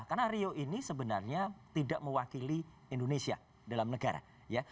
karena rio ini sebenarnya tidak mewakili indonesia dalam negara